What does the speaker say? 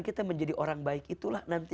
kita menjadi orang baik itulah nanti